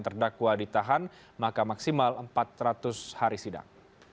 terdakwa ditahan maka maksimal empat ratus hari sidang